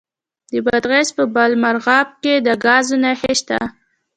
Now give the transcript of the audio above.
د بادغیس په بالامرغاب کې د ګاز نښې شته.